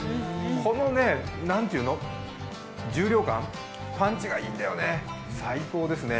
このなんていうの重量感パンチがいいんだよね、最高ですね。